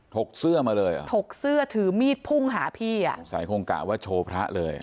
กเสื้อมาเลยเหรอถกเสื้อถือมีดพุ่งหาพี่อ่ะสงสัยคงกะว่าโชว์พระเลย